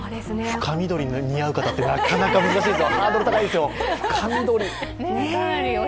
深緑が似合う方ってなかなか難しい、ハードルが高いですよ。